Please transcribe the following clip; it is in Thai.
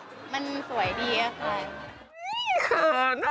ก็มันสวยดีค่ะ